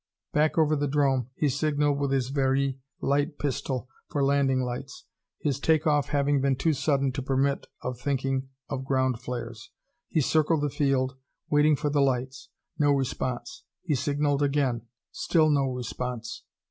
Back over the 'drome he signaled with his Very light pistol for landing lights, his take off having been too sudden to permit of thinking of ground flares. He circled the field, waiting for the lights. No response. He signaled again. Still no response.